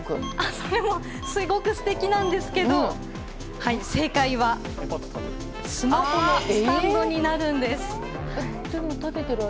それもすごく素敵なんですけど正解はスマホのスタンドになるんです。